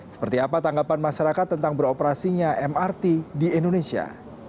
seperti apa tanggapan masyarakat tentang beroperasinya mrt di indonesia